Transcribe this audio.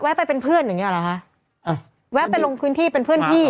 ไปเป็นเพื่อนอย่างเงี้เหรอคะอ่ะแวะไปลงพื้นที่เป็นเพื่อนพี่